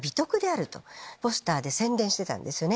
ポスターで宣伝してたんですよね。